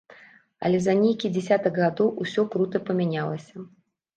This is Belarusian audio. Але за нейкі дзясятак гадоў усё крута памянялася.